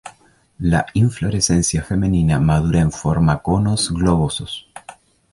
La inflorescencia femenina madura en forma conos globosos.